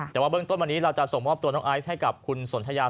แต่ว่าเบื้องต้นวันนี้เราจะส่งมอบตัวน้องไอซ์ให้กับคุณสนทยา